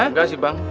nggak sih bang